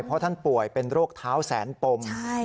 เพราะท่านป่วยเป็นโรคเท้าแสนปม